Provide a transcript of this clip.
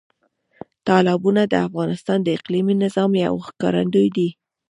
تالابونه د افغانستان د اقلیمي نظام یو ښکارندوی دی.